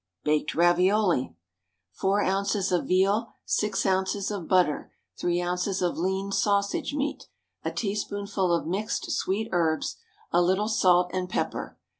Baked Ravioli. Four ounces of veal, six ounces of butter, three ounces of lean sausage meat, a teaspoonful of mixed sweet herbs, a little salt and pepper.